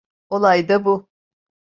Olay da bu.